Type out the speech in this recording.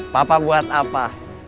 papa buat apa